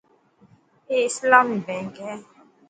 اي اسلامي بينڪ هي .